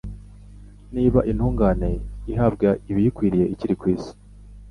Niba intungane ihabwa ibiyikwiye ikiri ku isi